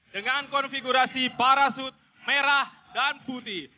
dengan konfigurasi parasut merah dan putih